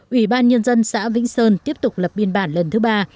ủy ban nhân dân xã vĩnh sơn tiếp tục lập biên bản lần thứ ba